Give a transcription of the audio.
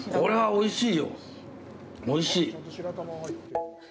おいしい。